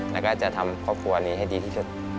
แล้วก็จะทำครอบครัวนี้ให้ดีที่สุด